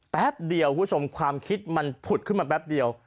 แป๊บเดียวคุณผู้ชมความคิดมันผุดขึ้นมาแป๊บเดียว